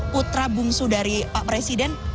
putra bungsu dari pak presiden